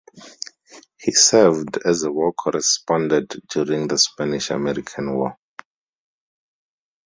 He served as a war correspondent during the Spanish-American War.